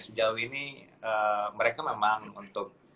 sejauh ini mereka memang untuk